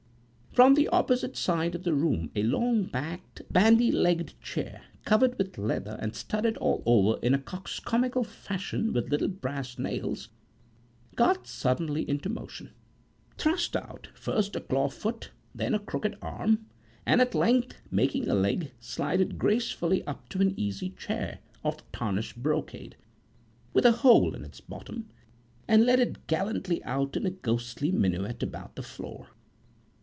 From the opposite side of the room a long backed, bandy legged chair, covered with leather, and studded all over in a coxcomical fashion with little brass nails, got suddenly into motion; thrust out first a claw foot, then a crooked arm, and at length, making a leg, slided gracefully up to an easy chair, of tarnished brocade, with a hole in its bottom, and led it gallantly out in a ghostly minuet about the floor.